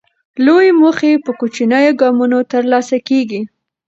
لویې موخې په کوچنیو ګامونو ترلاسه کېږي.